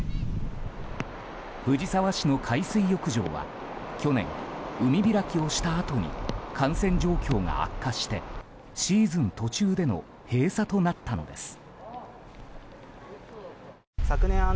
藤沢市の海水浴場は去年、海開きをしたあとに感染状況が悪化してシーズン途中での閉鎖となったのです。